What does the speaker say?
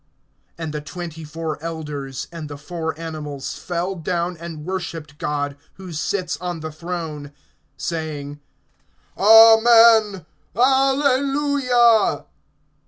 (4)And the twenty four elders, and the four animals, fell down and worshiped God, who sits on the throne, saying: Amen; Alleluia.